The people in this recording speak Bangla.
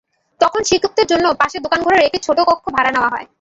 তখন শিক্ষকদের জন্য পাশে দোকানঘরের একটি ছোট কক্ষ ভাড়া নেওয়া হয়।